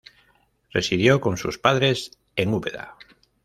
Residió con sus padres en Úbeda.